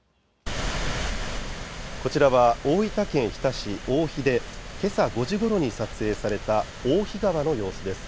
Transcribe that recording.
こちらは大分県日田市大肥でけさ５時ごろに撮影された大肥川の様子です。